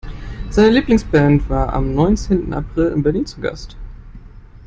Seine Lieblingsband war am neunzehnten April in Berlin zu Gast.